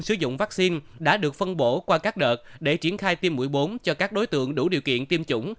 sử dụng vaccine đã được phân bổ qua các đợt để triển khai tiêm mũi bốn cho các đối tượng đủ điều kiện tiêm chủng